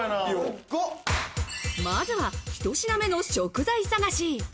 まずは１品目の食材探し。